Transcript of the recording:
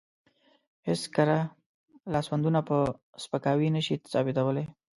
هېڅ کره لاسوندونه په سپکاوي نشي ثابتولی.